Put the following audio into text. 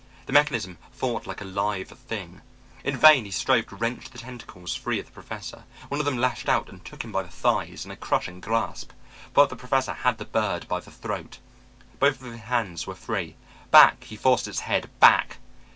The mechanism fought like a live thing. In vain he strove to wrench the tentacles free of the Professor. One of them lashed out and took him by the thighs in a crushing grasp. But the Professor had the bird by the throat. Both of his hands were free. Back, he forced its head, back.